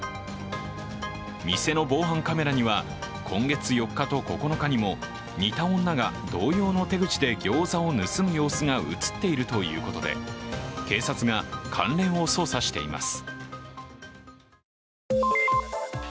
店の防犯カメラには今月４日と９日にも似た女が同様の手口でギョーザを盗む様子が映っているということで、警察が関連を捜査しています。